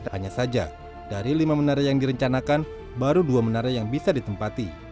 hanya saja dari lima menara yang direncanakan baru dua menara yang bisa ditempati